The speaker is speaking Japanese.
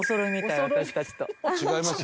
違います